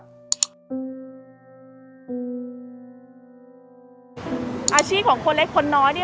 อาชีพของคนเล็กคนน้อย